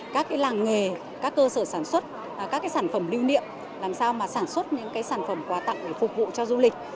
các làng nghề các cơ sở sản xuất các cái sản phẩm lưu niệm làm sao mà sản xuất những sản phẩm quà tặng để phục vụ cho du lịch